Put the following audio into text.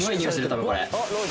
多分これ。